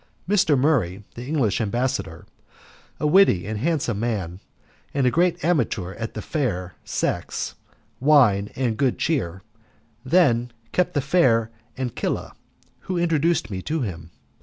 Mr. Murray, the English ambassador, a witty and handsome man, and a great amateur of the fair sex, wine, and good cheer, then kept the fair Ancilla, who introduced me to him.